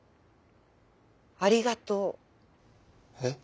ありがとう。え？